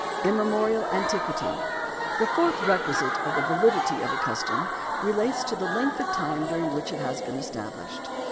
Immemorial antiquity. — The fourth requisite of the validity of a custom relates to the length of time during which it has been established.